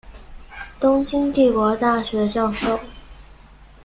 东京帝国大学教授。